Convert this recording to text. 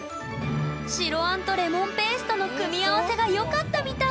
白あんとレモンペーストの組み合わせがよかったみたい！